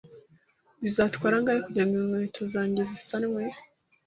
Bizatwara angahe kugirango inkweto zanjye zisanwe?